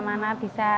biar pinter bisa baca